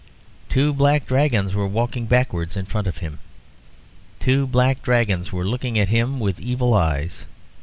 Two black dragons were walking backwards in front of him. Two black dragons were looking at him with evil eyes.